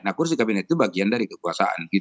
nah kursi kabinet itu bagian dari kekuasaan